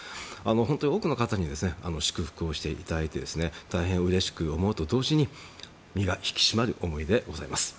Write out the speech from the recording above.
本当に多くの方に祝福していただいて大変うれしく思うと同時に身が引き締まる思いでございます。